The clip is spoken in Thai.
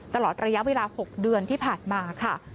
ตลอดระยะเวลา๖เดือนที่ผ่านมาค่ะ